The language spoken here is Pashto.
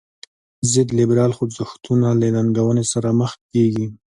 ضد لیبرال خوځښتونه له ننګونې سره مخ کیږي.